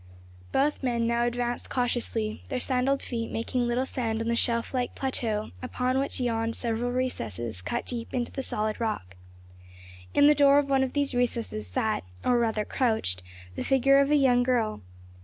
Both men now advanced cautiously, their sandaled feet making little sound on the shelf like plateau upon which yawned several recesses cut deep into the solid rock. In the door of one of these recesses sat, or rather crouched, the figure of a young girl.